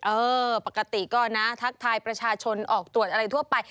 เออปกติก็นะทักทายประชาชนออกตรวจอะไรทั่วไป